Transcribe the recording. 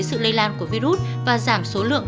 sự lây lan của virus và giảm số lượng